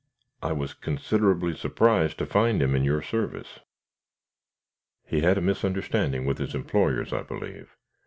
I was considerably surprised to find him in your service." "He had a misunderstanding with his employers, I believe.